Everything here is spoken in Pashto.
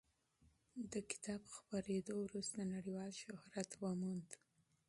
د کتاب خپرېدو وروسته نړیوال شهرت وموند.